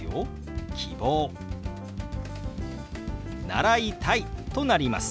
「習いたい」となります。